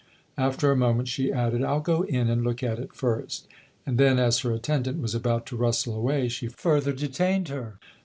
After a moment she added :" I'll go in and look at it first." And then, as her attendant was about to rustle away, she further detained her.